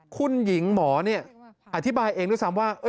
คุณหญิงหมออธิบายเองด้วยซ้ำว่า